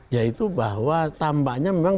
yaitu bahwa tambahnya memang